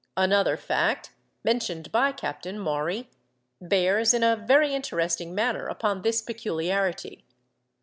Another fact, mentioned by Captain Maury, bears in a very interesting manner upon this peculiarity.